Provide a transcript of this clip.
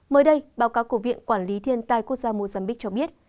mới đây báo cáo cổ viện quản lý thiên tài quốc gia mozambique cho biết